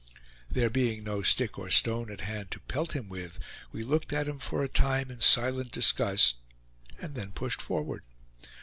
There being no stick or stone at hand to pelt him with, we looked at him for a time in silent disgust; and then pushed forward.